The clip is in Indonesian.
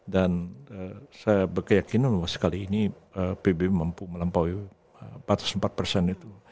dan saya berkeyakinan bahwa sekali ini pbb mampu melampaui empat itu